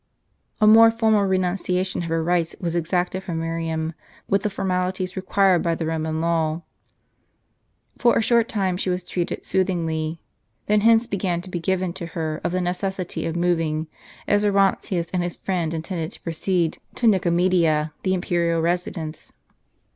A more formal renun ciation of her rights was exacted from Miriam, with the formalities required by the Roman law. For a short time she was treated soothingly ; then hints began to be given to her of the necessity of moving, as Oron tius and his friend intended to proceed to Mcomedia, the imperial residence.